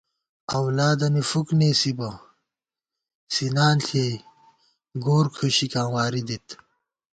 اولادَنی فُک نېسی بہ ، سِنان ݪِیَئ گور کھُشِکاں واری دِت